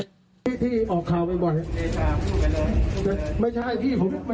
พี่ที่ออกข่าวไปบ่อยไม่ใช่พี่ผมไม่มีไม่เกิดไม่เป็นไร